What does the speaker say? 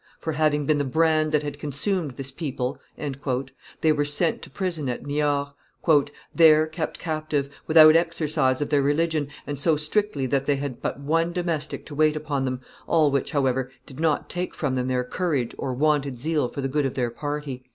"For having been the brand that had consumed this people," they were sent to prison at Niort; "there kept captive, without exercise of their religion, and so strictly that they had but one domestic to wait upon them, all which, however, did not take from them their courage or wonted zeal for the good of their party.